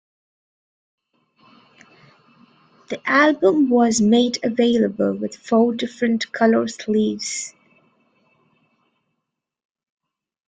The album was made available with four different colour sleeves.